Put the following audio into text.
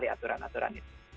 tidak ada aturan aturan itu